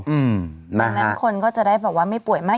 เพราะฉะนั้นคนก็จะได้ไม่ป่วยมาก